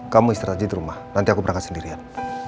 kamu istirahat di rumah nanti aku berangkat sendirian